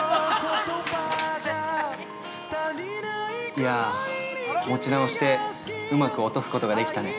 ◆いやあ、持直してうまく落とすことができたね。